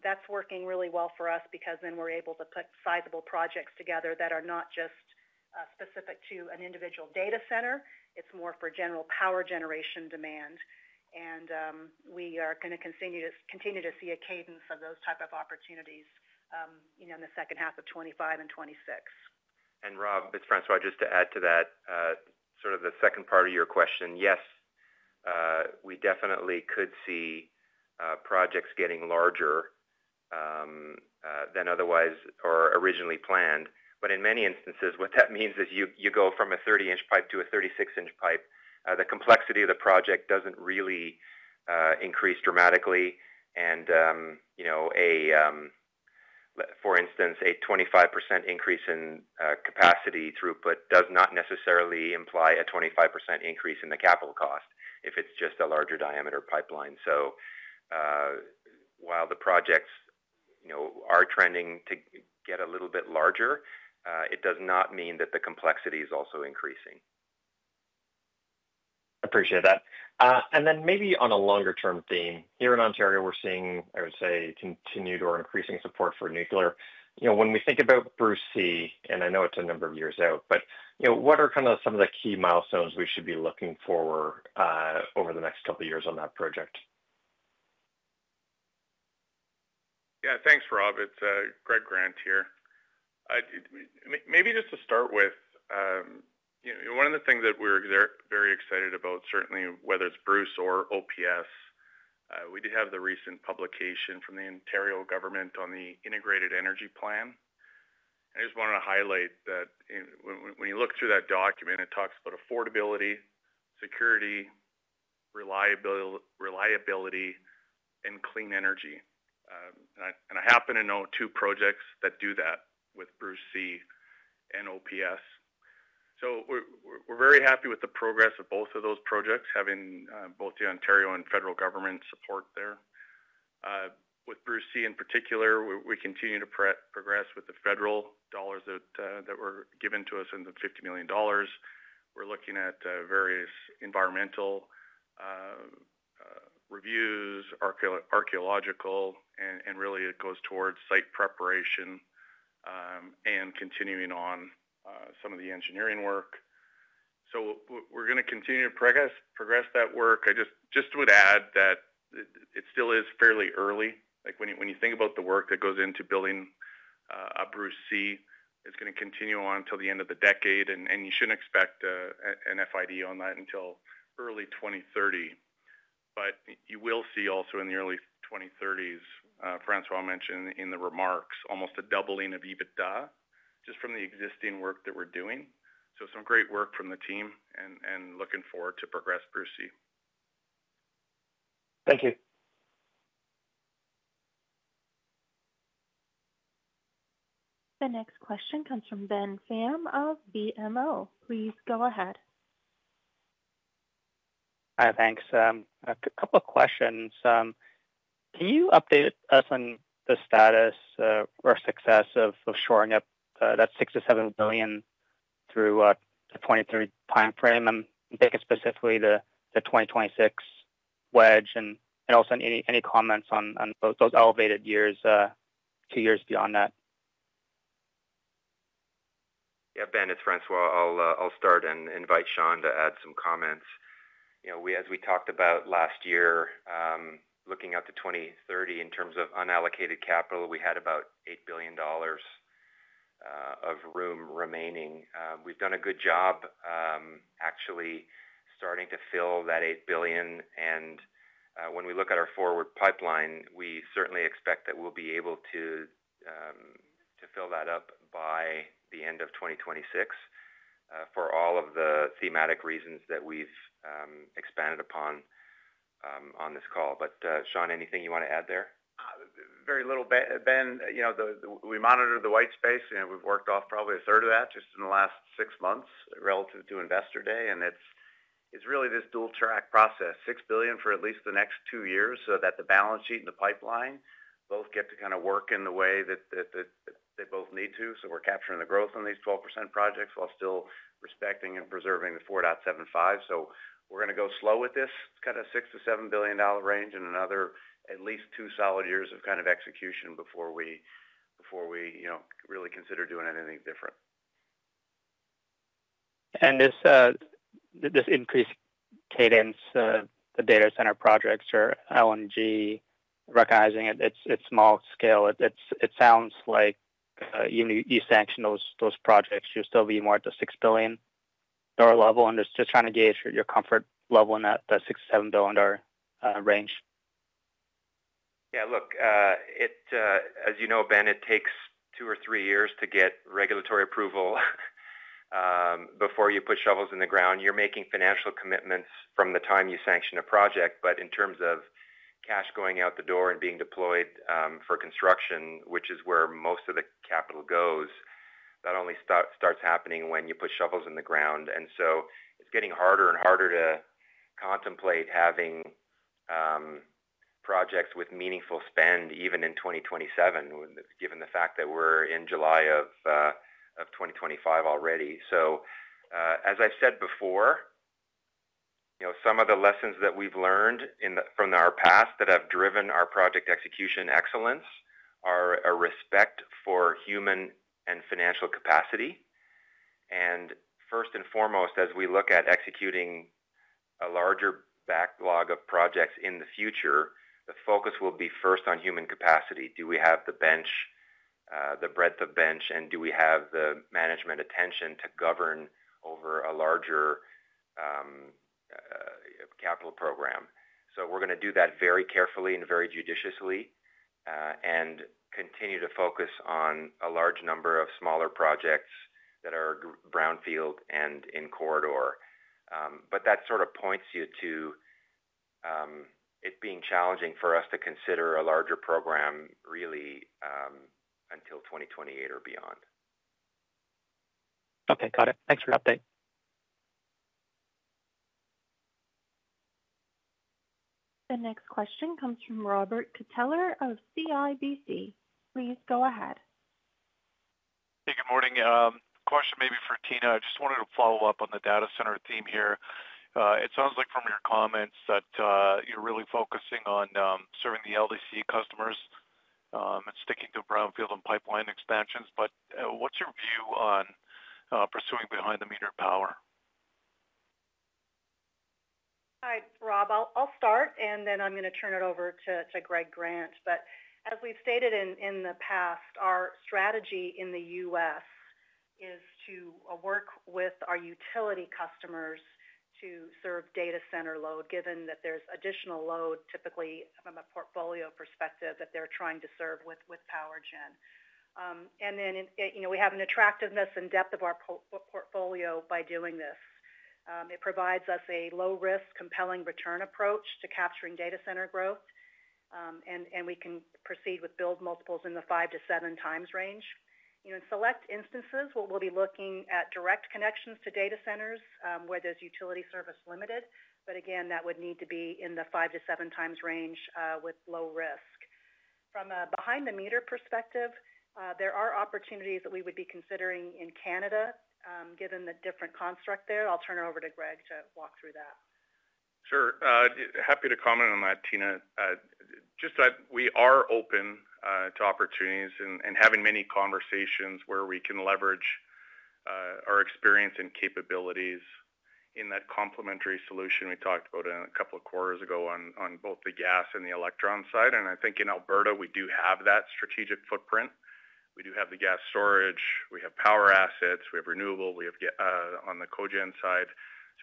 That's working really well for us because we're able to put sizable projects together that are not just specific to an individual data center. It's more for general power generation demand. We are going to continue to see a cadence of those type of opportunities in the second half of 2025 and 2026. Rob, it's Francois just to add to that. The second part of your question, yes. We definitely could see projects getting larger than otherwise or originally planned. In many instances, what that means is you go from a 30-inch pipe to a 36-inch pipe. The complexity of the project doesn't really increase dramatically. For instance, a 25% increase in capacity throughput does not necessarily imply a 25% increase in the capital cost if it's just a larger diameter pipeline. While the projects are trending to get a little bit larger, it does not mean that the complexity is also increasing. I appreciate that. Maybe on a longer-term theme, here in Ontario, we're seeing, I would say, continued or increasing support for nuclear. When we think about Bruce C, and I know it's a number of years out, what are some of the key milestones we should be looking for over the next couple of years on that project? Yeah, thanks, Rob. It's Greg Grant here. Maybe just to start with, one of the things that we're very excited about, certainly whether it's Bruce or OPS. We did have the recent publication from the Ontario government on the Integrated Energy Plan. I just wanted to highlight that. When you look through that document, it talks about affordability, security, reliability, and clean energy. I happen to know two projects that do that with Bruce C and OPS. We're very happy with the progress of both of those projects, having both the Ontario and federal government support there. With Bruce C in particular, we continue to progress with the federal dollars that were given to us in the 50 million dollars. We're looking at various environmental reviews, archaeological, and really it goes towards site preparation and continuing on some of the engineering work. We're going to continue to progress that work. I just would add that it still is fairly early. When you think about the work that goes into building a Bruce C, it's going to continue on until the end of the decade, and you shouldn't expect an FID on that until early 2030. You will see also in the early 2030s, Francois mentioned in the remarks, almost a doubling of EBITDA just from the existing work that we're doing. Some great work from the team and looking forward to progressing Bruce C. Thank you. The next question comes from Ben Pham of BMO. Please go ahead. Hi, thanks. A couple of questions. Can you update us on the status or success of shoring up that 6 billion to 7 billion through the 2030 timeframe? I'm thinking specifically the 2026 wedge, and also any comments on those elevated years, two years beyond that. Yeah, Ben, it's Francois. I'll start and invite Sean to add some comments. As we talked about last year, looking at the 2030 in terms of unallocated capital, we had about 8 billion dollars of room remaining. We've done a good job actually starting to fill that 8 billion, and when we look at our forward pipeline, we certainly expect that we'll be able to fill that up by the end of 2026 for all of the thematic reasons that we've expanded upon on this call. Sean, anything you want to add there? Very little. Ben, we monitor the white space, and we've worked off probably a third of that just in the last six months relative to investor day. It's really this dual-track process: 6 billion for at least the next two years so that the balance sheet and the pipeline both get to kind of work in the way that they both need to. We're capturing the growth on these 12% projects while still respecting and preserving the 4.75. We're going to go slow with this kind of 6 billion to 7 billion dollar range and another at least two solid years of kind of execution before we really consider doing anything different. This increased cadence, the data center projects or LNG, recognizing it's small scale, it sounds like you sanction those projects, you'll still be more at the 6 billion dollar level. Just trying to gauge your comfort level in that 6 billion dollar to 7 billion dollar range. Yeah, look. As you know, Ben, it takes two or three years to get regulatory approval before you put shovels in the ground. You're making financial commitments from the time you sanction a project, but in terms of cash going out the door and being deployed for construction, which is where most of the capital goes, that only starts happening when you put shovels in the ground. It's getting harder and harder to contemplate having projects with meaningful spend even in 2027, given the fact that we're in July of 2025 already. As I've said before, some of the lessons that we've learned from our past that have driven our project execution excellence are a respect for human and financial capacity. First and foremost, as we look at executing a larger backlog of projects in the future, the focus will be first on human capacity. Do we have the breadth of bench, and do we have the management attention to govern over a larger capital program? We're going to do that very carefully and very judiciously, and continue to focus on a large number of smaller projects that are brownfield and in corridor. That sort of points you to it being challenging for us to consider a larger program really until 2028 or beyond. Okay, got it. Thanks for the update. The next question comes from Robert Catellier of CIBC. Please go ahead. Hey, good morning. Question maybe for Tina. I just wanted to follow up on the data center theme here. It sounds like from your comments that you're really focusing on serving the LDC customers and sticking to brownfield and pipeline expansions. What's your view on pursuing behind the metered power? Hi, Rob. I'll start, and then I'm going to turn it over to Greg Grant. As we've stated in the past, our strategy in the U.S. is to work with our utility customers to serve data center load, given that there's additional load, typically from a portfolio perspective, that they're trying to serve with power gen. We have an attractiveness and depth of our portfolio by doing this. It provides us a low-risk, compelling return approach to capturing data center growth, and we can proceed with build multiples in the five to seven times range. In select instances, we'll be looking at direct connections to data centers where there's utility service limited. That would need to be in the five to seven times range with low risk. From a behind-the-meter perspective, there are opportunities that we would be considering in Canada, given the different construct there. I'll turn it over to Greg to walk through that. Sure. Happy to comment on that, Tina. We are open to opportunities and having many conversations where we can leverage our experience and capabilities in that complementary solution we talked about a couple of quarters ago on both the gas and the electron side. I think in Alberta, we do have that strategic footprint. We do have the gas storage. We have power assets. We have renewable. We have on the cogen side.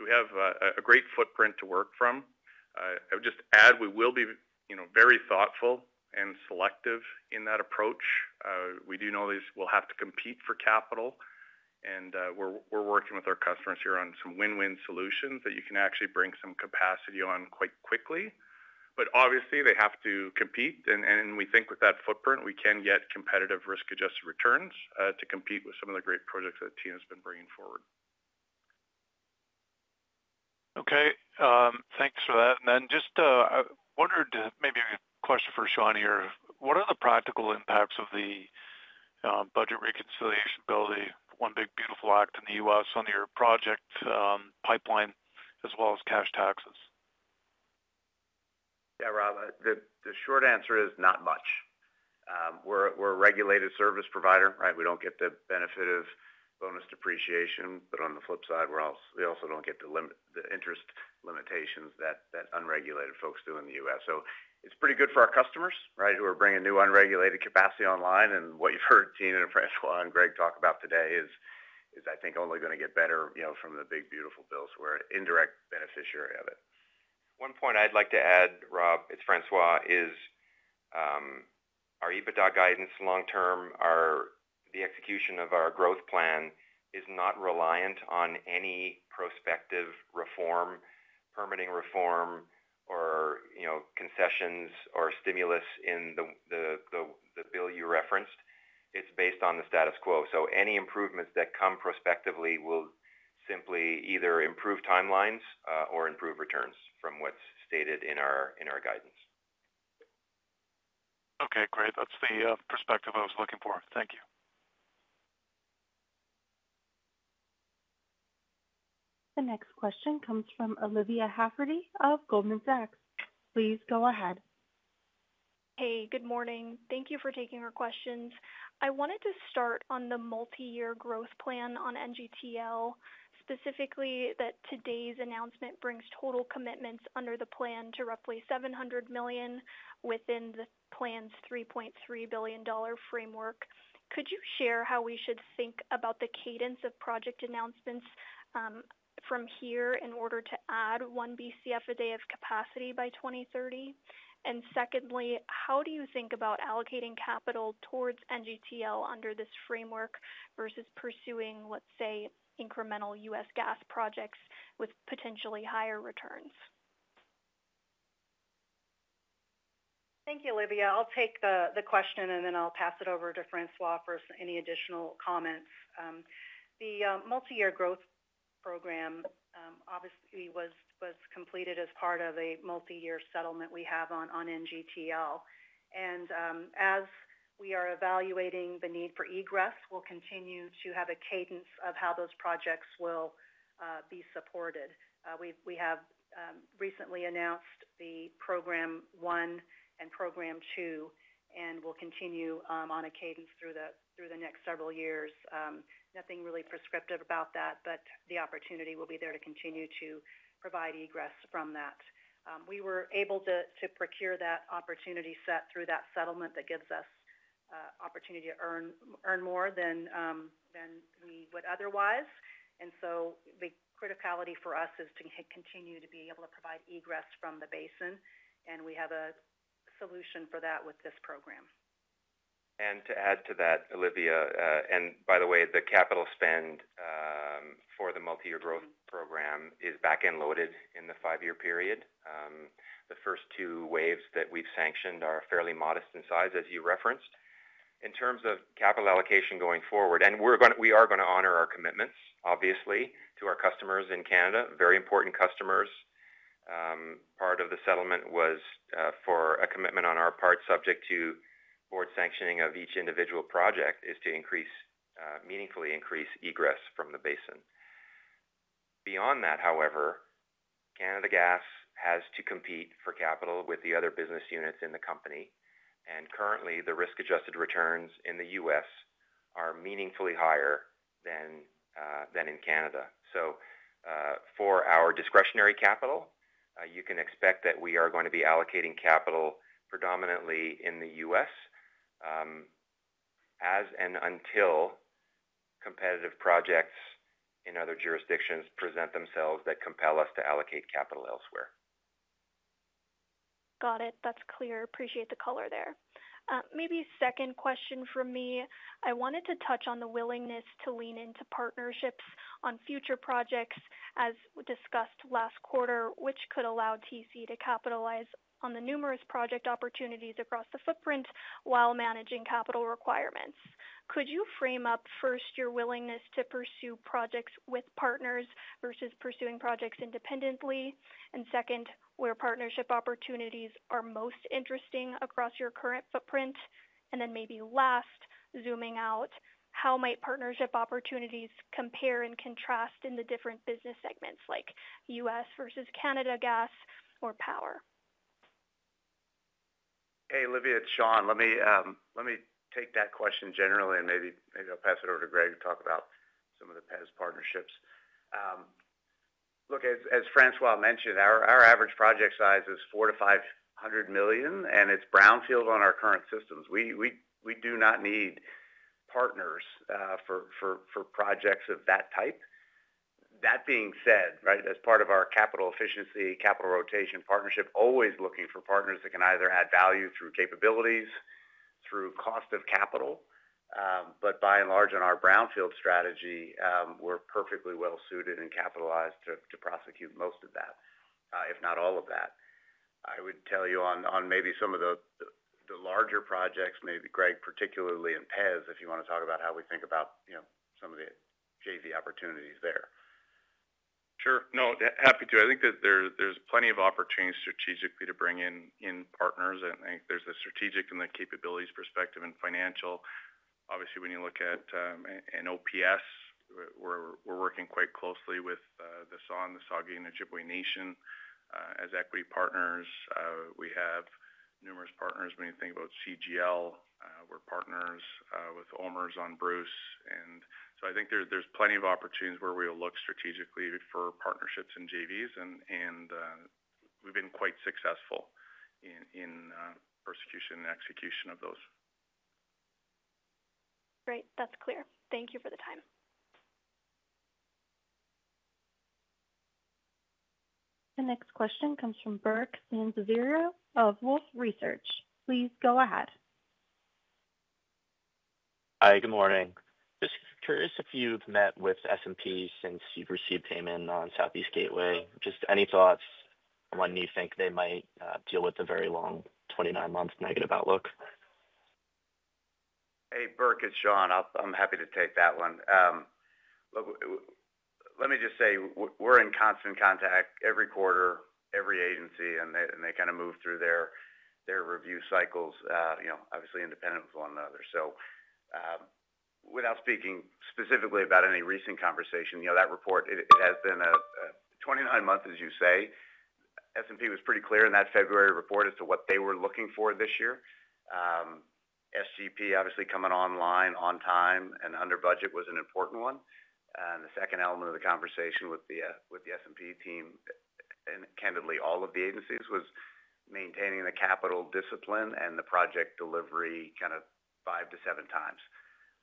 We have a great footprint to work from. I would just add we will be very thoughtful and selective in that approach. We do know we'll have to compete for capital. We're working with our customers here on some win-win solutions that you can actually bring some capacity on quite quickly. Obviously, they have to compete. We think with that footprint, we can get competitive risk-adjusted returns to compete with some of the great projects that Tina has been bringing forward. Okay. Thanks for that. I wondered maybe a question for Sean here. What are the practical impacts of the budget reconciliation ability, one big beautiful act in the U.S. on your project pipeline, as well as cash taxes? Yeah, Rob, the short answer is not much. We're a regulated service provider, right? We don't get the benefit of bonus depreciation. On the flip side, we also don't get the interest limitations that unregulated folks do in the U.S. It's pretty good for our customers, right, who are bringing new unregulated capacity online. What you've heard Tina and Francois and Greg talk about today is, I think, only going to get better from the big beautiful bills where indirect beneficiary of it. One point I'd like to add, Rob, it's Francois. Our EBITDA guidance long-term, the execution of our growth plan is not reliant on any prospective reforrm, permitting reform, or concessions, or stimulus in the bill you referenced. It's based on the status quo. Any improvements that come prospectively will simply either improve timelines or improve returns from what's stated in our guidance. Okay, great. That's the perspective I was looking for. Thank you. The next question comes from Olivia Hafferty of Goldman Sachs. Please go ahead. Hey, good morning. Thank you for taking our questions. I wanted to start on the multi-year growth plan on NGTL. Specifically, that today's announcement brings total commitments under the plan to roughly 700 million within the plan's 3.3 billion dollar framework. Could you share how we should think about the cadence of project announcements from here in order to add one BCF a day of capacity by 2030? Secondly, how do you think about allocating capital towards NGTL under this framework versus pursuing, let's say, incremental U.S. gas projects with potentially higher returns? Thank you, Olivia. I'll take the question, and then I'll pass it over to Francois for any additional comments. The multi-year growth program obviously was completed as part of a multi-year settlement we have on NGTL. As we are evaluating the need for egress, we'll continue to have a cadence of how those projects will be supported. We have recently announced the program one and program two, and we'll continue on a cadence through the next several years. Nothing really prescriptive about that, but the opportunity will be there to continue to provide egress from that. We were able to procure that opportunity set through that settlement that gives us opportunity to earn more than we would otherwise. The criticality for us is to continue to be able to provide egress from the basin, and we have a solution for that with this program. To add to that, Olivia, and by the way, the capital spend for the multi-year growth program is back-end loaded in the five-year period. The first two waves that we've sanctioned are fairly modest in size, as you referenced. In terms of capital allocation going forward, we are going to honor our commitments, obviously, to our customers in Canada, very important customers. Part of the settlement was for a commitment on our part, subject to board sanctioning of each individual project, to meaningfully increase egress from the basin. Beyond that, however, Canada Gas has to compete for capital with the other business units in the company. Currently, the risk-adjusted returns in the U.S. are meaningfully higher than in Canada. For our discretionary capital, you can expect that we are going to be allocating capital predominantly in the U.S. As and until competitive projects in other jurisdictions present themselves that compel us to allocate capital elsewhere. Got it. That's clear. Appreciate the color there. Maybe second question for me. I wanted to touch on the willingness to lean into partnerships on future projects as discussed last quarter, which could allow TC to capitalize on the numerous project opportunities across the footprint while managing capital requirements. Could you frame up first your willingness to pursue projects with partners versus pursuing projects independently? Where partnership opportunities are most interesting across your current footprint? Maybe last, zooming out, how might partnership opportunities compare and contrast in the different business segments, like U.S. versus Canada gas or power? Hey, Olivia, it's Sean. Let me take that question generally, and maybe I'll pass it over to Greg to talk about some of the past partnerships. Look, as Francois mentioned, our average project size is 400 million to 500 million, and it's brownfield on our current systems. We do not need partners for projects of that type. That being said, as part of our capital efficiency, capital rotation partnership, always looking for partners that can either add value through capabilities, through cost of capital. By and large, in our brownfield strategy, we're perfectly well suited and capitalized to prosecute most of that, if not all of that. I would tell you on maybe some of the larger projects, maybe Greg, particularly in [PEZ], if you want to talk about how we think about some of the JV opportunities there. Sure. No, happy to. I think that there's plenty of opportunities strategically to bring in partners. I think there's the strategic and the capabilities perspective and financial. Obviously, when you look at an OPS, we're working quite closely with SON, the Saugeen Ojibwe Nation as equity partners. We have numerous partners. When you think about CGL, we're partners with OMERS on Bruce. I think there's plenty of opportunities where we will look strategically for partnerships in JVs. We've been quite successful in prosecution and execution of those. Great. That's clear. Thank you for the time. The next question comes from Burke Sansiviero of Wolfe Research. Please go ahead. Hi, good morning. Just curious if you've met with S&P since you've received payment on Southeast Gateway. Any thoughts on when you think they might deal with the very long 29-month negative outlook? Hey, Burke, it's Sean. I'm happy to take that one. Let me just say we're in constant contact every quarter, every agency, and they kind of move through their review cycles, obviously independent of one another. Without speaking specifically about any recent conversation, that report, it has been a 29-month, as you say. S&P was pretty clear in that February report as to what they were looking for this year. SGP, obviously, coming online on time and under budget was an important one. The second element of the conversation with the S&P team, and candidly all of the agencies, was maintaining the capital discipline and the project delivery kind of five to seven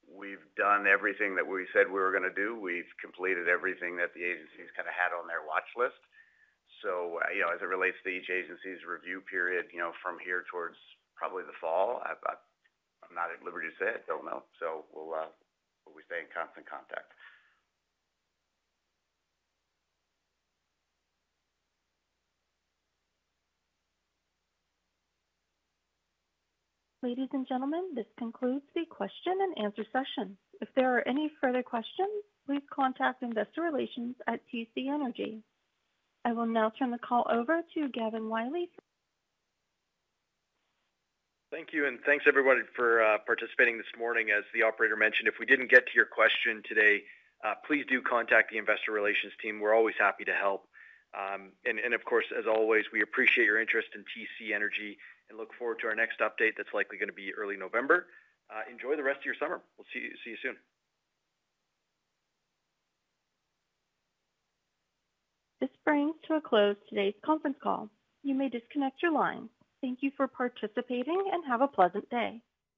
times. We've done everything that we said we were going to do. We've completed everything that the agencies kind of had on their watch list. As it relates to each agency's review period from here towards probably the fall, I'm not at liberty to say. I don't know. We'll stay in constant contact. Ladies and gentlemen, this concludes the question and answer session. If there are any further questions, please contact Investor Relations at TC Energy. I will now turn the call over to Gavin Wylie. Thank you. Thanks, everybody, for participating this morning. As the operator mentioned, if we didn't get to your question today, please do contact the Investor Relations team. We're always happy to help. Of course, as always, we appreciate your interest in TC Energy and look forward to our next update that's likely going to be early November. Enjoy the rest of your summer. We'll see you soon. This brings to a close today's conference call. You may disconnect your line. Thank you for participating and have a pleasant day.